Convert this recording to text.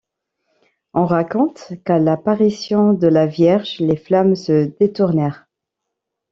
On raconte qu'à l'apparition de la Vierge, les flammes se détournèrent.